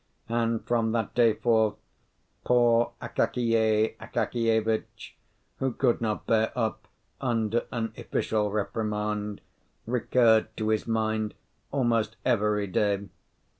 And from that day forth, poor Akakiy Akakievitch, who could not bear up under an official reprimand, recurred to his mind almost every day.